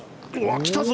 来たぞ！